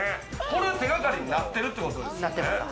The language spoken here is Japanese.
これ手掛かりになってるってことですよね。